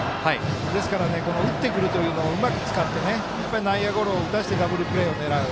ですから打ってくるというのをうまく使って内野ゴロを打たせてダブルプレーを狙う。